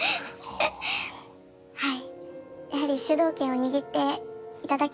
はい。